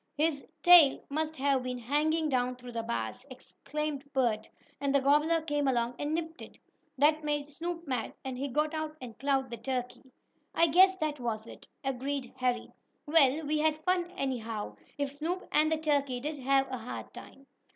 "His tail must have been hanging down through the bars," explained Bert, "and the gobbler came along and nipped it. That made Snoop mad, and he got out and clawed the turkey." "I guess that was it," agreed Harry. "Well, we had fun anyhow, if Snoop and the turkey did have a hard time."